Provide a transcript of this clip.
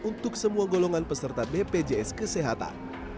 untuk semua golongan peserta bpjs kesehatan